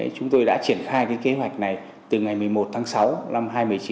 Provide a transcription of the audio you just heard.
chúng tôi đã triển khai kế hoạch này từ ngày một mươi một tháng sáu năm hai nghìn một mươi chín